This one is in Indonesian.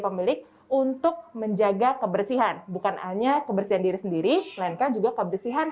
pemilik untuk menjaga kebersihan bukan hanya kebersihan diri sendiri melainkan juga kebersihan